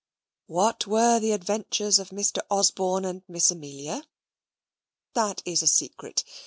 What were the adventures of Mr. Osborne and Miss Amelia? That is a secret.